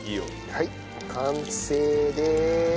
はい完成です。